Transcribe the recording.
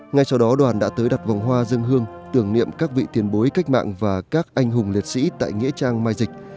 ngay sau đó đoàn đã tới đặt vòng hoa dân hương tưởng niệm các vị tiền bối cách mạng và các anh hùng liệt sĩ tại nghĩa trang mai dịch